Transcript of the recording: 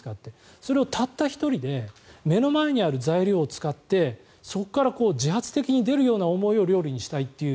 それをたった１人で目の前にある材料を使ってそこから自発的に出るような思いを料理にしたいという。